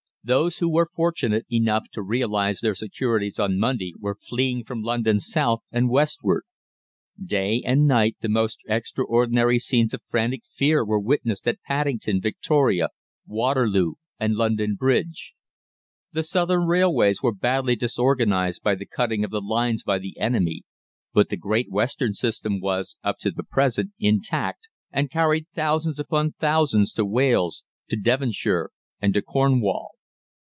Those who were fortunate enough to realise their securities on Monday were fleeing from London south and westward. Day and night the most extraordinary scenes of frantic fear were witnessed at Paddington, Victoria, Waterloo, and London Bridge. The southern railways were badly disorganised by the cutting of the lines by the enemy, but the Great Western system was, up to the present, intact, and carried thousands upon thousands to Wales, to Devonshire, and to Cornwall.